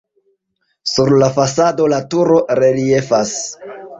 Sur la fasado la turo reliefas.